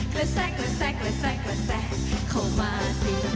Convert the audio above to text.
แทรกกระแทรกกระแทรกกระแทรกเข้ามาสิ